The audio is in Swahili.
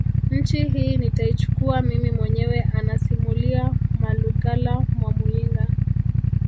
Nchi hii nitaichukua mimi mwenyewe anasimulia Malugala Mwamuyinga